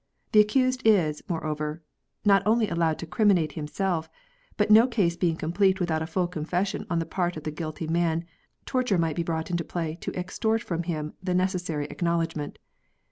The accused is, moreover, not only allowed to criminate himself, but no case being complete without a full con fession on the part of the guilty man, torture might be brought into play to extort from him the necessary acknowledgment.